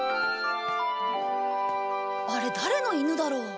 あれ誰のイヌだろう？